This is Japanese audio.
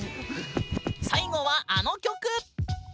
最後はあの曲！